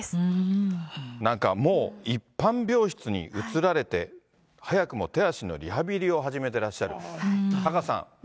なんか、もう一般病室に移られて、早くも手足のリハビリを始めてらっしゃる。